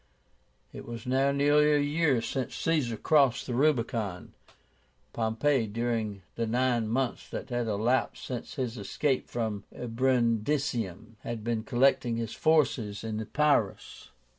It was now nearly a year since Caesar crossed the Rubicon. Pompey, during the nine months that had elapsed since his escape from Brundisium, had been collecting his forces in Epírus.